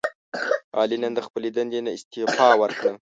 علي نن د خپلې دندې نه استعفا ورکړه.